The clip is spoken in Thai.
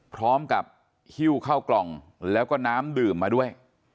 พร้อมกับหิ้วเข้ากล่องแล้วก็น้ำดื่มมาด้วย